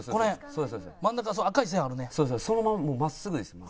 そのまま真っすぐですよ